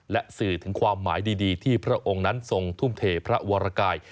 และสื่อถึงความหมายดีที่พระองค์นั้นทรงทุ่มเทพระวรกาย